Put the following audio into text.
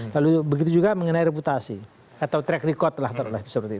lalu begitu juga mengenai reputasi atau track record lah